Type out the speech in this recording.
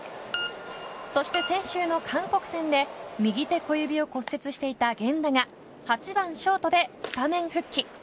そして先週の韓国戦で右手小指を骨折していた源田が８番ショートでスタメン復帰。